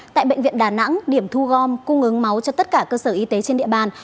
tại bệnh viện đà nẵng điểm thu gom cung ứng máu cho tất cả cơ sở y tế trên địa bàn